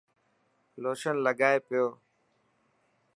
لوشن لگائي پيو.